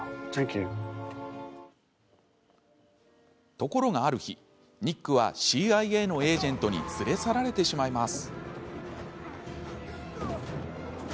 ところが、ある日ニックはＣＩＡのエージェントに連れ去られてしまいます。